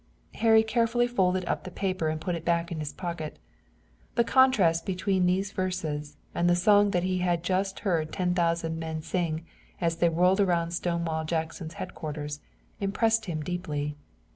Harry carefully folded up the paper and put it back in his pocket. The contrast between these verses and the song that he had just heard ten thousand men sing, as they whirled around Stonewall Jackson's headquarters, impressed him deeply.